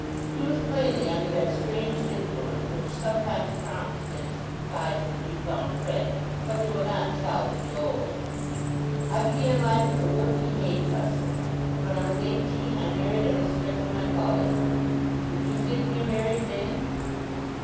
He was plainly under that strange influence which sometimes prompts men to confide to the new found friend what they will not tell to the old. "I began life as a working hay trusser, and when I was eighteen I married on the strength o' my calling. Would you think me a married man?"